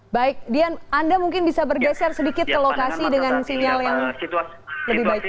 baik dian anda mungkin bisa bergeser sedikit ke lokasi dengan sinyal yang lebih baik